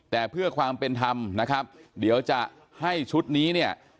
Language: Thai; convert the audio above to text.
แต่เพื่อความเป็นธรรมนะครับเดี๋ยวจะให้ชุดนี้เนี่ย